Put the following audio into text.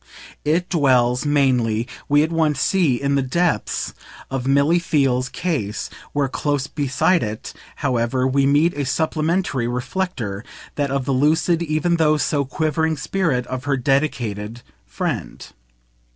It dwells mainly, we at once see, in the depths of Milly Theale's "case," where, close beside it, however, we meet a supplementary reflector, that of the lucid even though so quivering spirit of her dedicated friend.